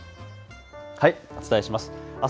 お伝えします。